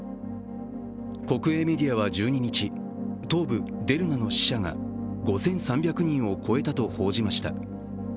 国営メディアは１２日、東部デルナの死者が５３００人を超えたと報じました。